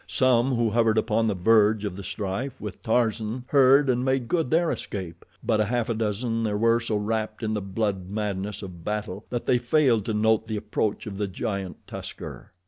Some who hovered upon the verge of the strife with Tarzan heard and made good their escape, but a half dozen there were so wrapt in the blood madness of battle that they failed to note the approach of the giant tusker.